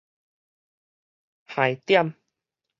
唉點